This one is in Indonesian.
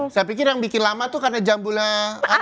saya pikir yang bikin lama itu karena jambulnya hari ya